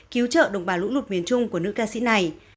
cứu trợ đồng bào lũ lụt miền trung của nước ca sĩ này